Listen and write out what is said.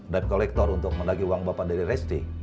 dan kolektor untuk mendaki uang bapak dari resty